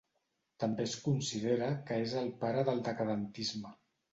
També es considera que és el pare del decadentisme.